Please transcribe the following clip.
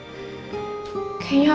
kayaknya aku bener bener jahat